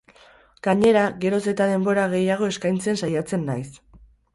Gainera, geroz eta denbora gehiago eskaintzen saiatzen naiz.